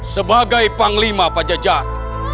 sebagai panglima pada jajaran